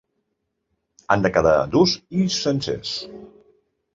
Han de quedar durs i sencers.